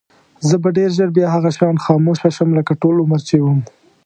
زه به ډېر ژر بیا هغه شان خاموشه شم لکه ټول عمر چې وم.